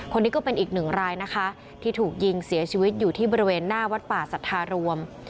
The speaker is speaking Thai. คนนี้ก็เป็นอีกหนึ่งรายนะคะที่ถูกยิงเสียชีวิตอยู่ที่บริเวณหน้าวัดป่าสัทธารวม